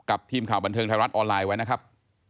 ทีมข่าวบันเทิงไทยรัฐออนไลน์ไว้นะครับ